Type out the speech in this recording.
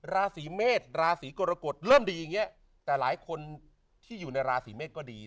ราศีเมษราศีกรกฎเริ่มดีอย่างนี้แต่หลายคนที่อยู่ในราศีเมษก็ดี